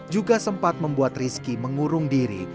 juga sempat membuat rizky mengurung diri